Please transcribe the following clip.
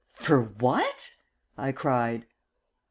"For what?" I cried.